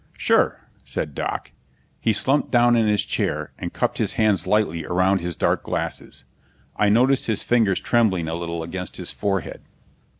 "Sure," said Doc. He slumped down in his chair and cupped his hands lightly around his dark glasses. I noticed his fingers trembling a little against his forehead.